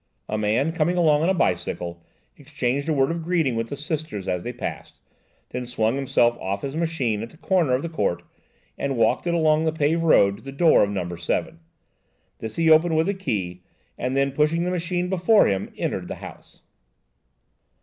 A man, coming along on a bicycle, exchanged a word of greeting with the Sisters as they passed, then swung himself off his machine at the corner of the court, and walked it along the paved way to the door of number 7. This he opened with a key, and then, pushing the machine before him, entered the house.